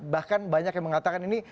bahkan banyak yang mengatakan ini